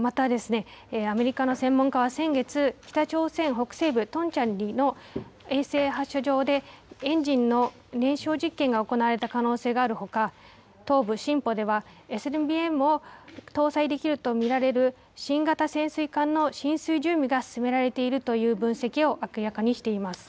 また、アメリカの専門家は先月、北朝鮮北西部トンチャンリの衛星発射場でエンジンの燃焼実験が行われた可能性があるほか、東部シンポではＳＬＢＭを搭載できると見られる新型潜水艦の進水準備が進められているという分析を明らかにしています。